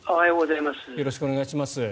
よろしくお願いします。